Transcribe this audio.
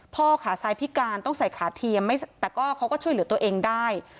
ขาซ้ายพิการต้องใส่ขาเทียมแต่ก็เขาก็ช่วยเหลือตัวเองได้